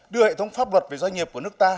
đưa hệ thống pháp luật về doanh nghiệp của nước ta